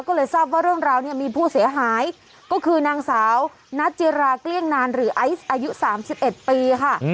ก็เลยทราบว่าเรื่องราวเนี่ยมีผู้เสียหายก็คือนางสาวนัทจิราเกลี้ยงนานหรือไอซ์อายุ๓๑ปีค่ะ